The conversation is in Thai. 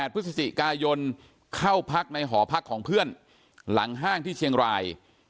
พฤศจิกายนเข้าพักในหอพักของเพื่อนหลังห้างที่เชียงราย